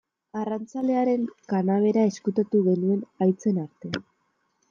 Arrantzalearen kanabera ezkutatu genuen haitzen artean.